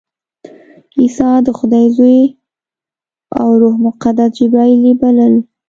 عیسی د خدای زوی او روح القدس جبراییل یې بلل.